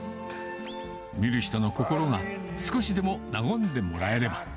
見る人の心が、少しでも和んでもらえれば。